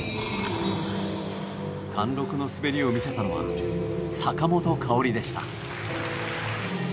貫録の滑りを見せたのは坂本花織でした。